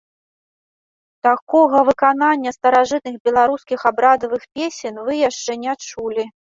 Такога выканання старажытных беларускіх абрадавых песень вы яшчэ не чулі!